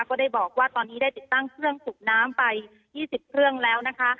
ก็ได้บอกว่าตอนนี้ได้ติดตั้งเครื่องสูบน้ำไป๒๐เครื่องแล้วนะคะ